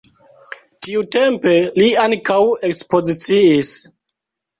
Tiutempe li ankaŭ ekspoziciis.